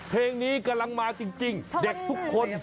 เพลงนี้กำลังมาจริงเด็กทุกคน